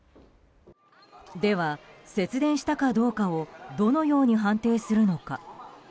では、節電したかどうかをどのように判定するのか。